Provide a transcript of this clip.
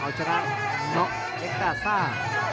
เอาจะรักเนาะเอ็กตาซ่า